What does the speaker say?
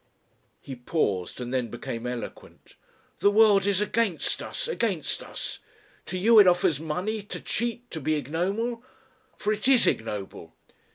He paused and then became eloquent. "The world is against us, against us. To you it offers money to cheat to be ignoble. For it is ignoble!